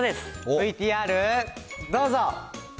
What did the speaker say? ＶＴＲどうぞ。